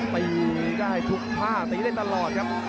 ตีได้ทุกท่าตีได้ตลอดครับ